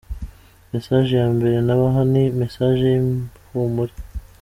“Message ya mbere nabaha, ni message y’ihumure.